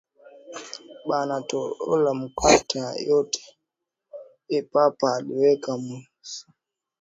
Bana tobola makuta yote papa aliweka mu saki kwa panya